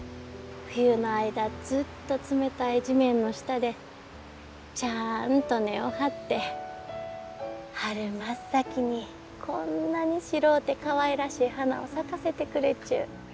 冬の間ずっと冷たい地面の下でちゃあんと根を張って春真っ先にこんなに白うてかわいらしい花を咲かせてくれちゅう。